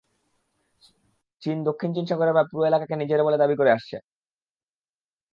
চীন দক্ষিণ চীন সাগরের প্রায় পুরো এলাকাকে নিজের বলে দাবি করে আসছে।